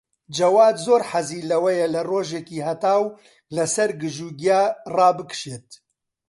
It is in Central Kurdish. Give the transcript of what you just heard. جەواد زۆر حەزی لەوەیە لە ڕۆژێکی هەتاو لەسەر گژوگیا ڕابکشێت.